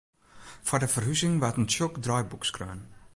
Foar de ferhuzing waard in tsjok draaiboek skreaun.